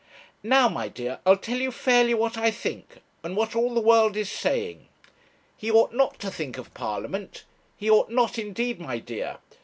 Now, my dear, I'll tell you fairly what I think, and what all the world is saying. He ought not to think of Parliament. He ought not, indeed, my dear.